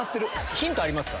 ヒントありますか？